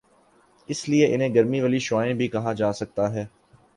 اسی لئے انہیں گرمی والی شعاعیں بھی کہا جاسکتا ہے